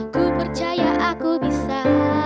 ku percaya aku bisa